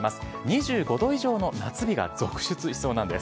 ２５度以上の夏日が続出しそうなんです。